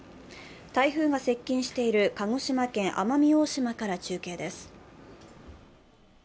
台風が接近している鹿児島県奄美大島から中継です。